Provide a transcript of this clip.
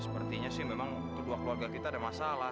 sepertinya sih memang kedua keluarga kita ada masalah